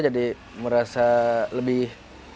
jadi merasa lebih